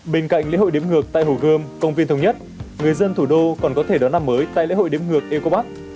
bên cạnh lễ hội đếm ngược tại hồ gươm công viên thống nhất người dân thủ đô còn có thể đón năm mới tại lễ hội đếm ngược ecobark